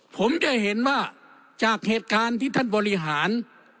ผมจะเห็นว่าจากเหตุการณ์ที่ท่านบริหาร